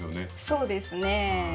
そうですね。